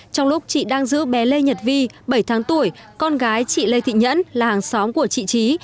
trong lúc chị đang giữ bé lê nhật vi bảy tháng tuổi con gái chị lê thị nhẫn là hàng xóm của chị trí